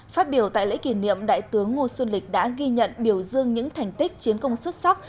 phát biểu tại lễ kỷ niệm đại tướng ngô xuân lịch đã ghi nhận biểu dương những thành tích chiến công xuất sắc